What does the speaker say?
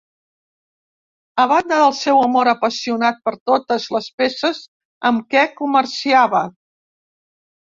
A banda del seu amor apassionat per totes les peces amb què comerciava.